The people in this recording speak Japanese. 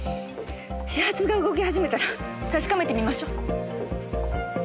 始発が動き始めたら確かめてみましょ。